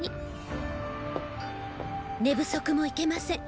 寝不足もいけません。